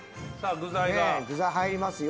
具材入りますよ。